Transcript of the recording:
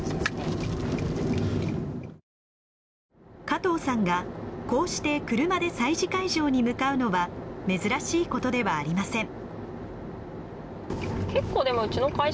加藤さんがこうして車で催事会場に向かうのは珍しいことではありません。